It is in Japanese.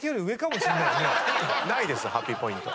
ないですハッピーポイント。